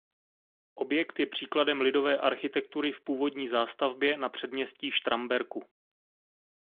Objekt je příkladem lidové architektury v původní zástavbě na předměstí Štramberku.